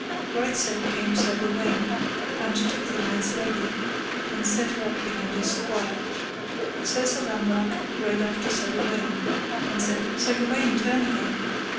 Right so came Sir Gawaine and took the knight's lady, and set her up behind his squire. So Sir Lamorak rode after Sir Gawaine, and said: Sir Gawaine, turn again.